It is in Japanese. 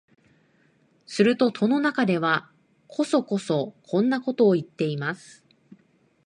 すると戸の中では、こそこそこんなことを言っています